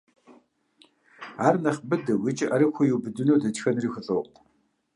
Ар нэхъ быдэу икӏи ӏэрыхуэу иубыдыну дэтхэнэри хущӏокъу.